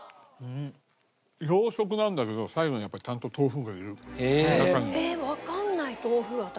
洋食なんだけど最後にやっぱちゃんと豆腐がいる中に。ええーわかんない豆腐私。